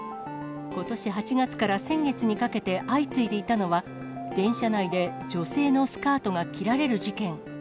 ことし８月から先月にかけて相次いでいたのは、電車内で女性のスカートが切られる事件。